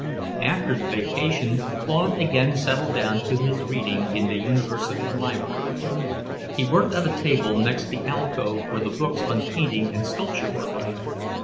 IX After the vacation Claude again settled down to his reading in the University Library. He worked at a table next the alcove where the books on painting and sculpture were kept.